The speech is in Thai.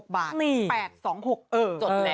๘๒๖บาท